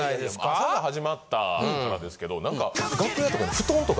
朝が始まったからですけどなんか。